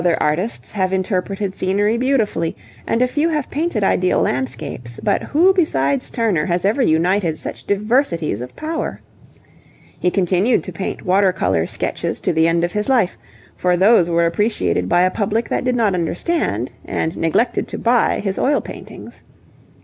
Other artists have interpreted scenery beautifully, and a few have painted ideal landscapes, but who besides Turner has ever united such diversities of power? He continued to paint water colour sketches to the end of his life, for these were appreciated by a public that did not understand, and neglected to buy, his oil paintings.